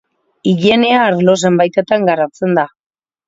Higienea arlo zenbaitetan garatzen da.